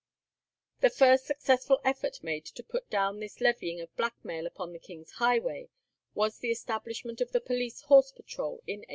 The first successful effort made to put down this levying of blackmail upon the king's highway was the establishment of the police horse patrol in 1805.